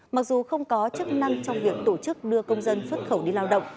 mặc dù không có chức năng trong việc tổ chức đưa công dân xuất khẩu đi lao động